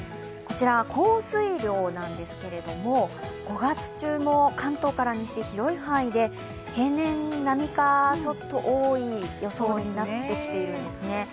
降水量なんですけれども５月中も関東から西広い範囲で平年並みか、ちょっと多い予想になってきているんですね。